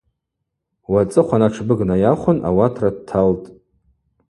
Уацӏыхъван атшбыг найахвын ауатра дталтӏ.